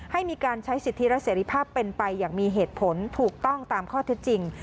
ให้มีการใช้สิทธิและเสรีภาพเป็นไปอย่างมีเหตุผลถูกต้องตามข้อเท็จจริง